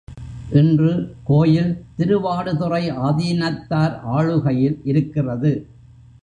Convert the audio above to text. இன்று கோயில் திருவாடுதுறை ஆதீனத்தார் ஆளுகையில் இருக்கிறது.